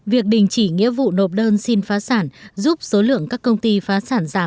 việc đình chỉ nghĩa vụ nộp đơn xin phá sản giúp số lượng các công ty phá sản giảm